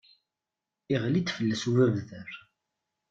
Iɣli-d fell-as ubabder.